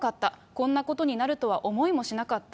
こんなことになるとは思いもしなかった。